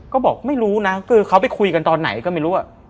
ก็บอกไม่รู้นะคือเขาไปคุยกันตอนไหนก็ไม่รู้